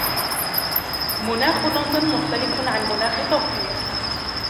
مناخ لندن مختلف عن مناخ طوكيو.